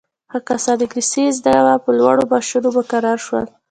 هغه کسان انګلیسي یې زده وه په لوړو معاشونو مقرر شول.